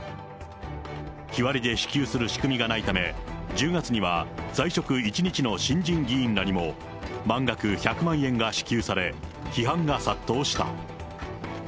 日割りで支給する仕組みがないため、１０月には在職１日の新人議員らにも、満額１００万円が支給され、批判が殺到した。